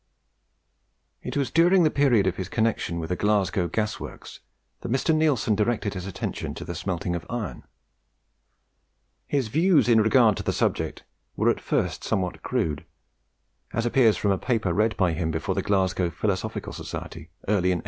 It was during the period of his connection with the Glasgow Gas works that Mr. Neilson directed his attention to the smelting of iron. His views in regard to the subject were at first somewhat crude, as appears from a paper read by him before the Glasgow Philosophical Society early in 1825.